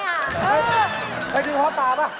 เฮ่ยเคยกินกะเพาะปลาไหม